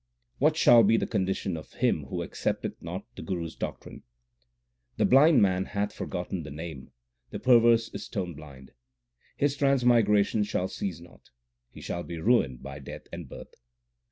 What shall be the condition of him who accepteth not the Guru s doctrine ? The blind 3 man hath forgotten the Name ; the perverse is stone blind. His transmigration shall cease not ; he shall be ruined by death and birth.